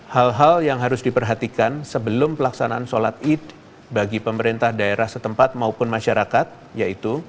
hal hal yang harus diperhatikan sebelum pelaksanaan sholat id bagi pemerintah daerah setempat maupun masyarakat yaitu